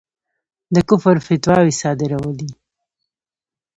د کُفر فتواوې صادرولې.